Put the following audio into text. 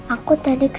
aku tadi kecil